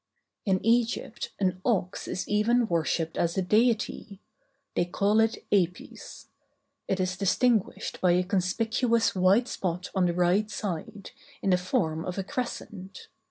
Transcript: In Egypt an ox is even worshipped as a deity; they call it Apis. It is distinguished by a conspicuous white spot on the right side, in the form of a crescent.